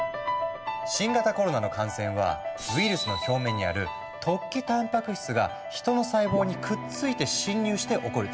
新型コロナの感染はウイルスの表面にある突起たんぱく質が人の細胞にくっついて侵入して起こる。